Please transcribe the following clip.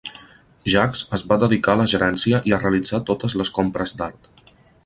Jacques es va dedicar a la gerència i a realitzar totes les compres d'art.